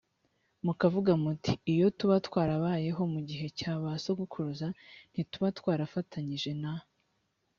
mukavuga muti iyo tuba twarabayeho mu gihe cya ba sogokuruza ntituba twarafatanyije na